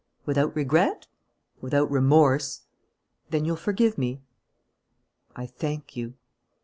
"Without regret?" "Without remorse." "Then you forgive me?" "I thank you."